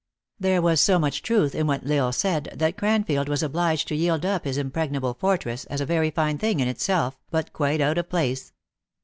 There was so much truth in what L Isle said, that Crantield was obliged to yield up his impregnable fortress as a very fine thing in itself, but quite out of place.